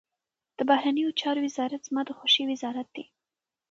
د بهرنیو چارو وزارت زما د خوښي وزارت دی.